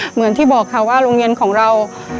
เหมือนที่บอกค่ะว่าโรงเรียนของเรา